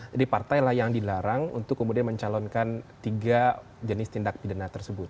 jadi partailah yang dilarang untuk kemudian mencalonkan